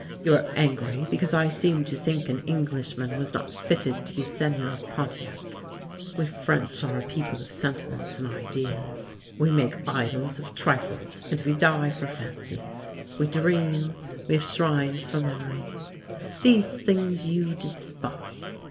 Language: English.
You are angry because I seemed to think an English man was not fitted to be Seigneur of Pontiac. We French are a people of sentiments and ideas; we make 5 66 THE LANE THAT HAD NO TURNING idols of trifles, and we die for fancies. We dream, we have shrines for memories. These things you despise.